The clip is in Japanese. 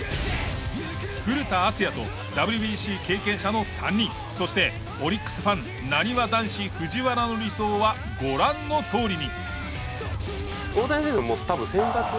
古田敦也とＷＢＣ経験者の３人そしてオリックスファンなにわ男子藤原の理想はご覧のとおりに。